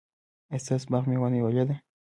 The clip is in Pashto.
ایا ستاسو باغ مېوه نیولې ده؟